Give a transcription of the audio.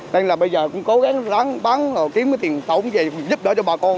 nên là bây giờ cũng cố gắng rán bán kiếm cái tiền tổng về giúp đỡ cho bà con